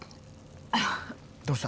どうした？